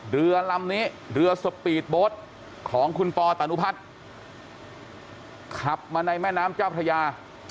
เรือลำนี้เรือสปีดโบ๊ทของคุณปอตนุพัฒน์ขับมาในแม่น้ำเจ้าพระยา